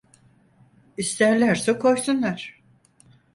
İsterlerse koysunlar…